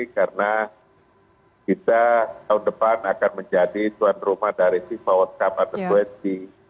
karena kita tahun depan akan menjadi tuan rumah dari timbawot kapal terduetki